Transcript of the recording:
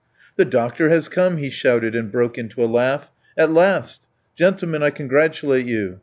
"The doctor has come!" he shouted, and broke into a laugh. "At last! Gentlemen, I congratulate you.